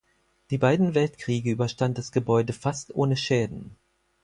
Die beiden Weltkriege überstand das Gebäude fast ohne Schäden.